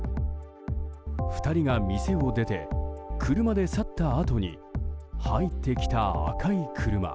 ２人が店を出て車で去ったあとに入ってきた、赤い車。